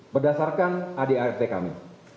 berdasarkan ad art kami